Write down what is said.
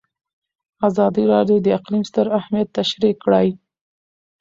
ازادي راډیو د اقلیم ستر اهميت تشریح کړی.